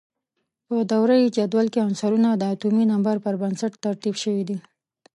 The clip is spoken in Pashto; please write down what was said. په دوره یي جدول کې عنصرونه د اتومي نمبر پر بنسټ ترتیب شوي دي.